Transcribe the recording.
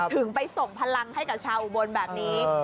ถึงไปส่งพลังให้กับชาวอุบลแบบนี้